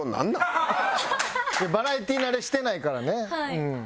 バラエティー慣れしてないからね。